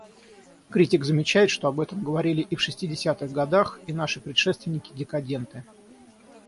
Критик замечает, что об этом говорили и в шестидесятых годах и наши предшественники, декаденты.